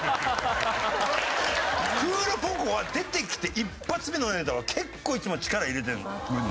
クールポコ。は出てきて一発目のネタは結構いつも力入れてるの。